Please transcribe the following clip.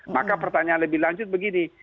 maka pertanyaan lebih lanjut begini